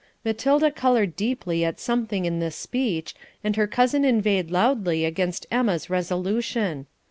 Matilda coloured deeply at something in this speech, and her cousin inveighed loudly against Emma's resolution.